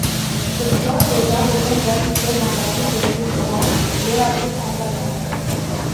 Ce sport déjà beaucoup pratiqué dans la ville de Tourcoing, les a vite emballé.